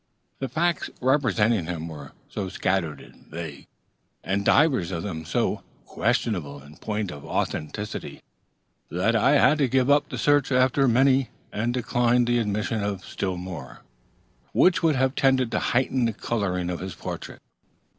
The facts respecting him were so scattered and vague, and divers of them so questionable in point of authenticity, that I have had to give up the search after many, and decline the admission of still more, which would have tended to heighten the coloring of his portrait.